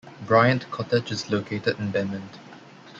Bryant Cottage is located in Bement.